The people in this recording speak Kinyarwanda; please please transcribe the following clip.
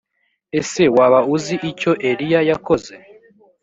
ese waba uzi icyo eliya yakoze.